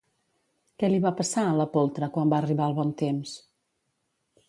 Què li va passar, a la poltra, quan va arribar el bon temps?